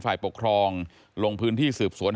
ฝ่ายปกครองลงพื้นที่สืบสวน